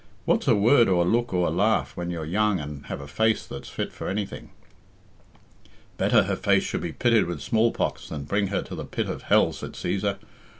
What's a word or a look or a laugh when you're young and have a face that's fit for anything." "Better her face should be pitted with smallpox than bring her to the pit of hell," said Cæsar.